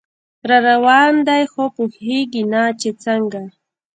راروان دی خو پوهیږي نه چې څنګه